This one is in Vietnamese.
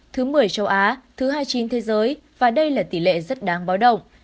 thứ một mươi châu á thứ hai mươi chín thế giới và đây là tỷ lệ rất đáng báo động